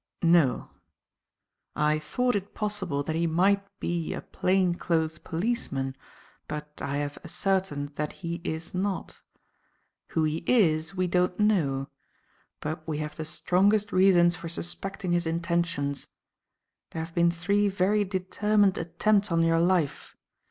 "No. I thought it possible that he might be a plain clothes policeman, but I have ascertained that he is not. Who he is we don't know, but we have the strongest reasons for suspecting his intentions. There have been three very determined attempts on your life.